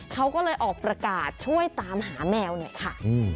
เขาก็เลยออกประกาศช่วยตามหาแมวหน่อยค่ะ